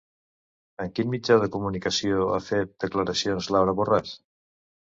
En quin mitjà de comunicació ha fet declaracions Laura Borràs?